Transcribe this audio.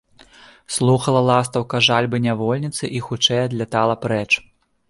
Слухала ластаўка жальбы нявольніцы і хутчэй адлятала прэч.